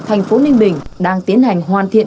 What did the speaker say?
thành phố ninh bình đang tiến hành hoàn thiện